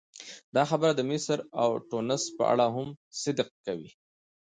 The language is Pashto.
دا خبره د مصر او ټونس په اړه هم صدق کوي.